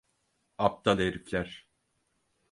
Aptal herifler.